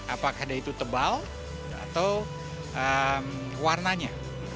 apakah dia itu tebal atau warnanya